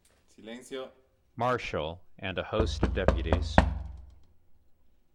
Marshal and a host of deputies.